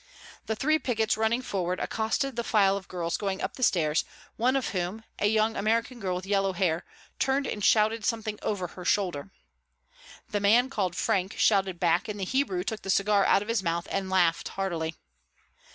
The three pickets running forward accosted the file of girls going up the stairs, one of whom, a young American girl with yellow hair, turned and shouted something over her shoulder. The man called Frank shouted back and the Hebrew took the cigar out of his mouth and laughed heartily.